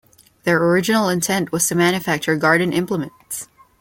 Their original intent was to manufacture garden implements.